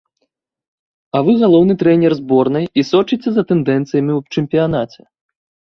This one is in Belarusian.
А вы галоўны трэнер зборнай і сочыце за тэндэнцыямі ў чэмпіянаце.